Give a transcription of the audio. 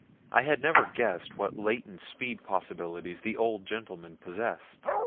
I had never guessed what latent speed possibilities the old gentleman possessed.